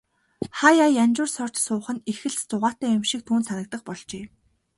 Хааяа янжуур сорж суух нь их л зугаатай юм шиг түүнд санагдах болжээ.